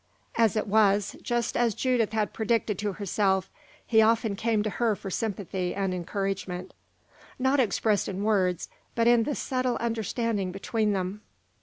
As it was, just as Judith had predicted to herself, he often came to her for sympathy and encouragement not expressed in words, but in the subtile understanding between them.